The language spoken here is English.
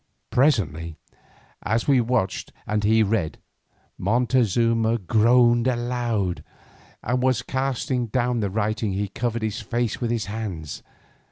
Presently, as we watched and he read, Montezuma groaned aloud, and casting down the writing he covered his face with his hands.